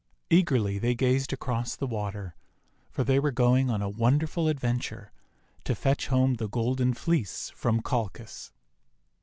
Eagerly they gazed across the water, for they were going on a won derful adventure, to fetch home the Golden Fleece from Colchis.